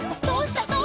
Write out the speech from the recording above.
どうした？」